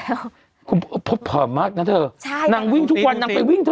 คนนี้หรือเปล่าคุณพลตพร่อมมากนะเธอนางวิ่งทุกวันนางไปวิ่งเธอ